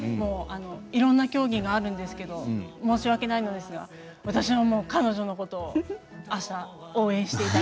いろんな競技があるんですけど申し訳ないのですが私は彼女のことをあした、応援したいと。